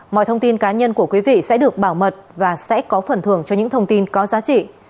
mọi thông tin cá nhân của quý vị sẽ được bảo mật và sẽ có phần thường cho những thông tin có giá trị